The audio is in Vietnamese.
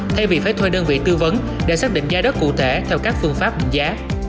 thay vì phải thuê đơn vị tư vấn để xác định giá đất cụ thể theo các phương pháp định giá